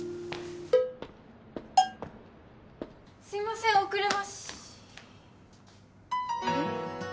すいません遅れましあれ？